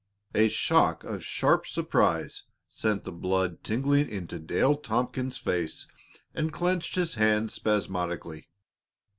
A shock of sharp surprise sent the blood tingling into Dale Tompkins's face and clenched his hands spasmodically.